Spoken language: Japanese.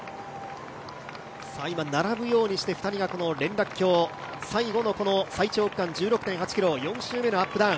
並ぶようにして２人が連絡橋、最後の１６．８ｋｍのアップダウン。